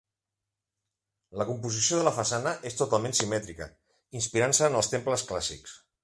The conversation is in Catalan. La composició de la façana és totalment simètrica inspirant-se en els temples clàssics.